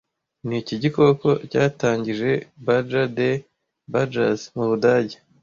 Niki gikoko cyatangije Badger Day Badgers - mu Budage